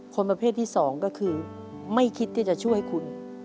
ประเภทที่๒ก็คือไม่คิดที่จะช่วยคุณ